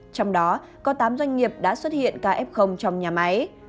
trong đó có tám doanh nghiệp đã xuất hiện kf trong nhà máy